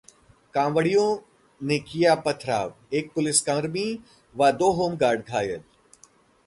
कांवड़ियों ने किया पथराव, एक पुलिसकर्मी व दो होमगार्ड घायल